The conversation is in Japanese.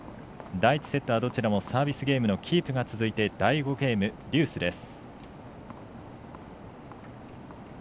第１セットはどちらもサービスゲームのキープが続いて第５ゲーム、デュースです。